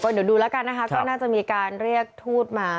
เดี๋ยวดูละก็น่าจะมีการเรียกทูตมา